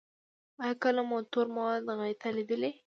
ایا کله مو تور مواد غایطه لیدلي؟